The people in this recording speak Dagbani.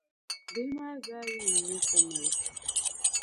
Bihi maa zaa ya n-nyɛ Tamale.